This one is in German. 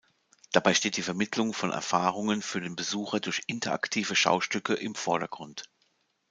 Dabei steht die Vermittlung von Erfahrungen für den Besucher durch interaktive Schaustücke im Vordergrund.